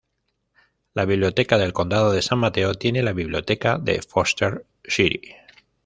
La Biblioteca del Condado de San Mateo tiene la Biblioteca de Foster City.